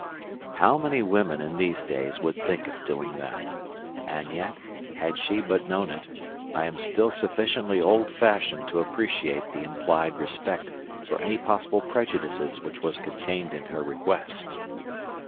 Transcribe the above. How many women in these days would think of doing that? And yet, had she but known it, I am still sufficiently old fashioned to appreciate the implied respect for any possible prejudices which was contained in her request.